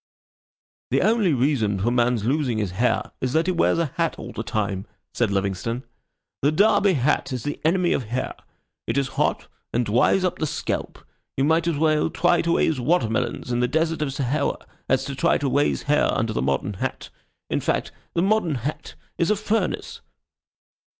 "The only reason for man's losing his hair is that he wears a hat all the time," said Livingstone. "The Derby hat is the enemy of hair. It is hot, and dries up the scalp. You might as well try to raise watermelons in the Desert of Sahara as to try to raise hair under the modern hat. In fact, the modern hat is a furnace."